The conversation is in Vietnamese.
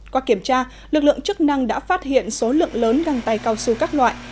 qua kiểm tra lực lượng chức năng đã phát hiện số lượng lớn găng tay cao su các loại